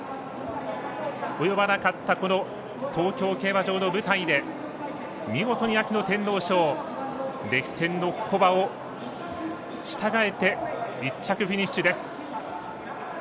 及ばなかった東京競馬場の舞台で見事に秋の天皇賞歴戦の古馬を従えて、１着フィニッシュです。